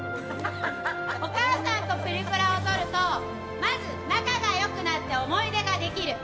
お母さんとプリクラを撮るとまず、仲が良くなって思い出ができる。